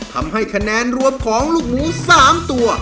ทำให้คะแนนรวมของลูกหมู๓ตัว